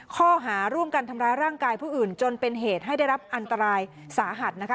ข้อหาร่วมกันทำร้ายร่างกายผู้อื่นจนเป็นเหตุให้ได้รับอันตรายสาหัสนะคะ